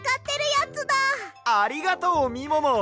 ありがとうみもも！